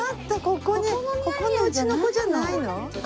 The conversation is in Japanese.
ここここの家の子じゃないの？